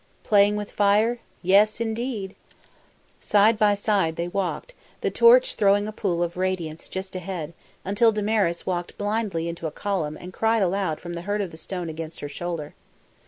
Playing with fire! Yes, indeed! Side by side they walked, the torch throwing a pool of radiance just ahead, until Damaris walked blindly into a column and cried aloud from the hurt of the stone against her shoulder.